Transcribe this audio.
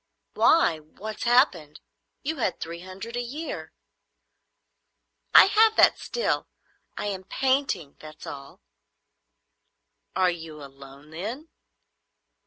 "Why, what's happened? You had three hundred a year." "I have that still. I am painting; that's all." "Are you alone, then?"